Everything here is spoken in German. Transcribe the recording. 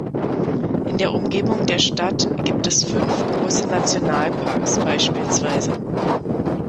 In der Umgebung der Stadt gibt es fünf große Nationalparks, bspw.